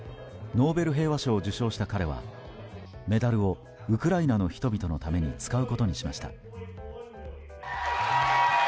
ノーベル平和賞を受賞した彼はメダルをウクライナの人々のために使うことにしました。